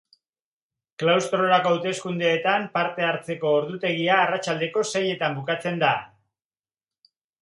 Klaustrorako hauteskundeetan parte hartzeko ordutegia arratsaldeko seietan bukatzen da